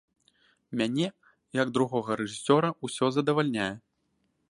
Мяне, як другога рэжысёра ўсё задавальняе.